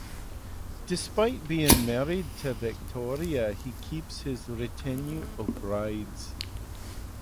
Despite being married to Victoria he keeps his retinue of Brides.